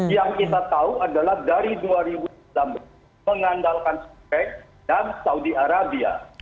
yang kita tahu adalah dari dua ribu enam mengandalkan softbank dan saudi arabia